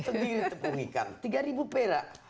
sendiri tepung ikan tiga ribu perak